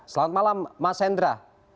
selamat malam mas hendra